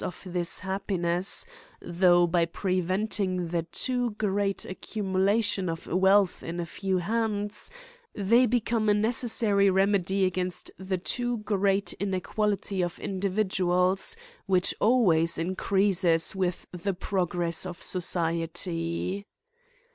125 of this happiness, though, by preventing the too great accumulation of wealth in a few hands, they become a necessary remedy against the too great inequality of individuals, which always increases with the progress of society.